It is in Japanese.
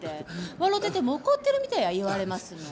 わろてても怒ってるみたいや言われますの。